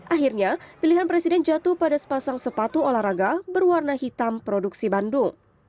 akhirnya pilihan presiden jatuh pada sepasang sepatu olahraga berwarna hitam produksi bandung